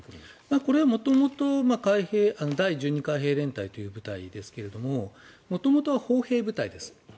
これは第１２海兵連隊という部隊ですが元々は砲兵部隊です。